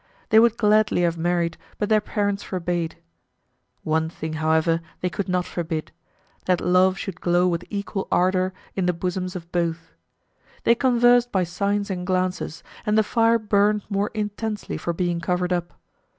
They would gladly have married, but their parents forbade. One thing, however, they could not forbid that love should glow with equal ardor in the bosoms of both. They conversed by signs and glances, and the fire burned more intensely for being covered up.